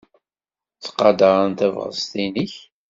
Ttqadaren tabɣest-nnek.